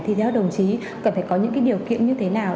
thì theo đồng chí cần phải có những điều kiện như thế nào